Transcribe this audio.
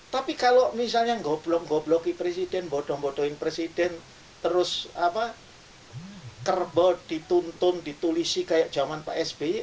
tapi kalau misalnya goblong gobloki presiden bodoh bodohin presiden terus kerbau dituntun ditulisi kayak zaman pak sby